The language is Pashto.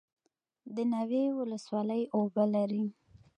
د ناوې ولسوالۍ اوبه لري